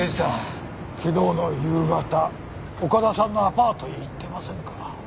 昨日の夕方岡田さんのアパートへ行ってませんか？